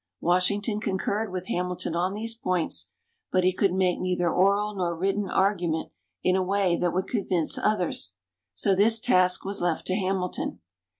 Washington concurred with Hamilton on these points, but he could make neither oral nor written argument in a way that would convince others; so this task was left to Hamilton.